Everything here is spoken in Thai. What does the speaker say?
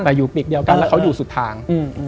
แต่อยู่ปีกเดียวกันแล้วเขาอยู่สุดทาง